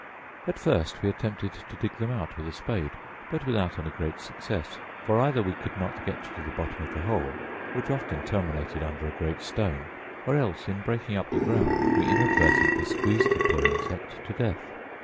At first we attempted to dig them out with a spade, but without any great success; for either we could not get to the bottom of the hole, which often terminated under a great stone; or else, in breaking up the ground, we inadvertently squeezed the poor insect to death.